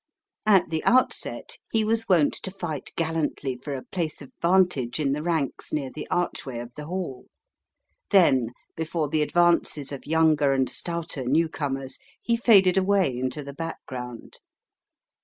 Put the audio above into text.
At the outset, he was wont to fight gallantly for a place of vantage in the ranks near the arch way of the Hall. Then, before the advances of younger and stouter newcomers, he faded away into the background.